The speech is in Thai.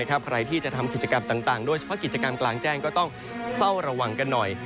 ใครที่จะทำกิจกรรมต่างโดยเฉพาะกิจกรรมกลางแจ้งก็ต้องเฝ้าระวังกันหน่อย